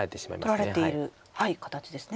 取られている形ですね。